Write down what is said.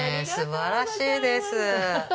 素晴らしいです。